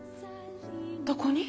どこに？